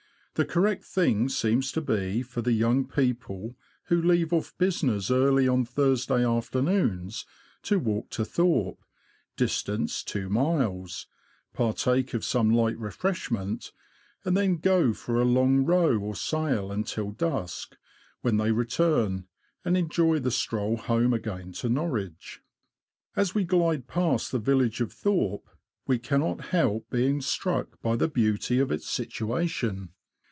The correct thing seems to be for the young people, who leave off business early on Thursday afternoons, to walk to Thorpe, dis tance two miles, partake of some light refreshment, and then go for a long row or sail until dusk, when they return, and enjoy the stroll home again to Norwich. As we glide past the village of Thorpe, we cannot help being struck by the beauty of its situation.